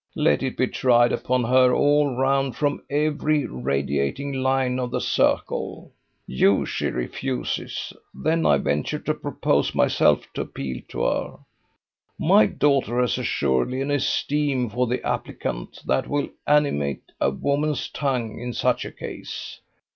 Let it be tried upon her all round from every radiating line of the circle. You she refuses. Then I venture to propose myself to appeal to her. My daughter has assuredly an esteem for the applicant that will animate a woman's tongue in such a case.